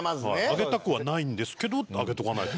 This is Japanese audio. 上げたくはないんですけど上げておかないと。